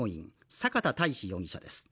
坂田大志容疑者です